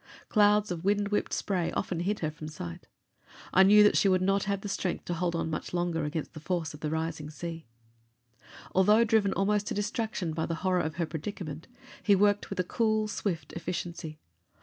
Clouds of wind whipped spray often hid her from sight. I knew that she would not have the strength to hold on much longer against the force of the rising sea. Although driven almost to distraction by the horror of her predicament, he worked with a cool, swift efficiency.